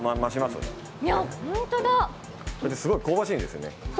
すごい香ばしいんですよね。